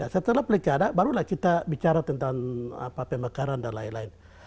setelah pilkada barulah kita bicara tentang pemekaran dan lain lain